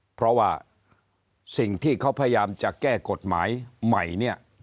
เพราะว่าสิ่งที่เขาพยายามจะแก้กฎหมายใหม่เนี่ย